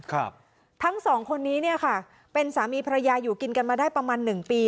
ครับทั้งสองคนนี้เนี่ยค่ะเป็นสามีภรรยาอยู่กินกันมาได้ประมาณหนึ่งปี